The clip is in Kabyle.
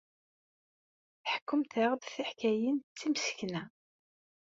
Tḥekkum-aɣ-d tiḥkayin d timsekna.